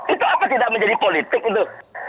itu apa tidak menjadi politik itu